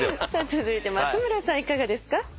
続いて松村さんいかがですか？